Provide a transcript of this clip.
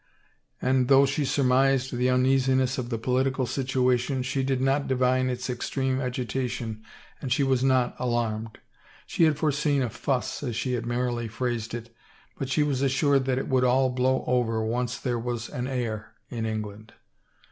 And though she surmised the uneasiness of the political situation she did not divine its extreme agita tion and she was not alarmed. She had foreseen a " fuss " as she had merrily phrased it but she was as sured that it would all blow over once there was an heir in England.